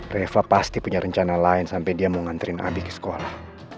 reva pasti punya rencana lain sampai dia mau nganterin abi ke sekolah